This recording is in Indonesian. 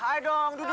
ayo dong duduk duduk